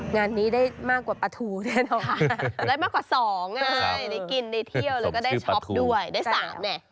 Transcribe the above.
งานนี้ได้มากกว่าปลาทูแน่นอน